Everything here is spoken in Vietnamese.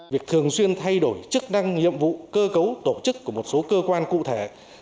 việc thường xuyên thay đổi chức năng nhiệm vụ cơ cấu tổ chức của một số cơ quan cụ thể